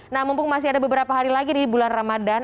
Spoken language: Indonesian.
nah mumpung masih ada beberapa hari lagi di bulan ramadan